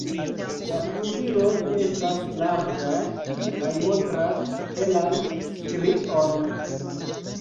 La flugiloj estas larĝaj kaj montras helan strion.